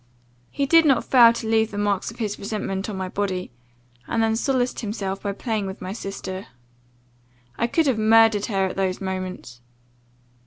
He did not fail to leave the marks of his resentment on my body, and then solaced himself by playing with my sister. I could have murdered her at those moments.